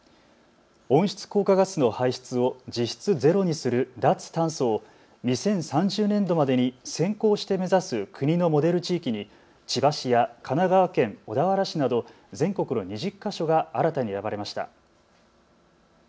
温室効果ガスの排出を実質ゼロにする脱炭素を２０３０年度までに先行して目指す国のモデル地域に千葉市や神奈川県小田原市など全国の２０か所が新たに選ばれました。